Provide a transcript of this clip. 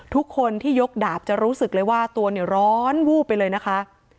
ทุกคนที่ยกดาบจะรู้สึกเลยว่าตัวเนี่ยร้อนวูบไปเลยนะคะ